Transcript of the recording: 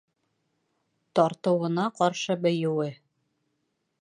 Тартыуына ҡаршы бейеүе.